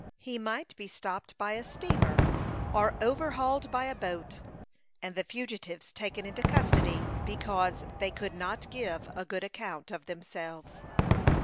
He might be stopped by a steamer, or overhauled by a boat, and the fugitives taken into custody because they could not give a good account of themselves.